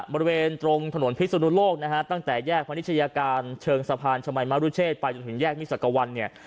บริเวณตรงถนนพิศนุโลกนะฮะตั้งแต่แยกพนิชยาการเชิงสะพานชมัยมรุเชษไปจนถึงแยกมิสักวันเนี่ย